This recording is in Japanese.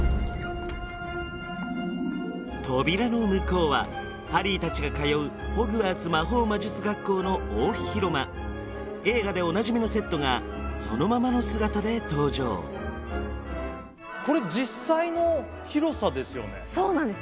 扉の向こうはハリー達が通うホグワーツ魔法魔術学校の大広間映画でおなじみのセットがそのままの姿で登場そうなんです